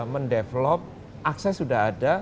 mendevelop akses sudah ada